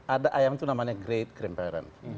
ada ayam itu namanya great grandparent